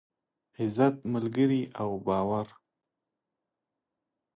عزت، ملگري او باور.